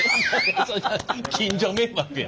近所迷惑や！